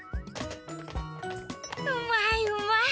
うまいうまい。